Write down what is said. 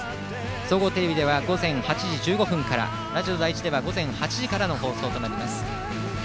総合テレビは午前８時１５分からラジオ第１で午前８時からの放送です。